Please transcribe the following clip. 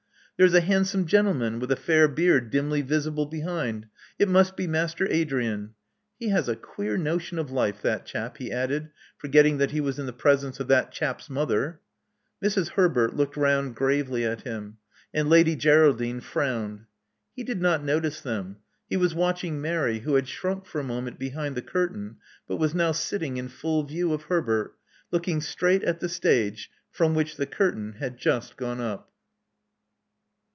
There's a handsome gentleman with a fair beard dimly visible behind. It must be Master Adrian. He has a queer notion of life — that chap," he added, forgetting that he was in the presence of that chap's" mother. Mrs. Herbert looked round gravely at him; and Lady Geraldine frowned. He did not notice them: he was watfching Mary, who had shrunk for a moment behind the curtain, but was now sitting in full view of Herbert, looking straight at the stage, from which the curtain had just gone up.